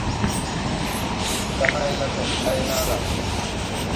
Gahãyla sɛn kay na gà.